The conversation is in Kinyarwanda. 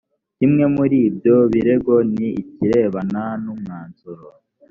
kimwe muri ibyo birego ni ikirebana n umwanzuro